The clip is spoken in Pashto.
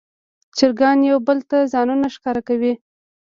چرګان یو بل ته ځانونه ښکاره کوي.